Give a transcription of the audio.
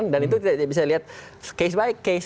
dan itu tidak bisa dilihat case by case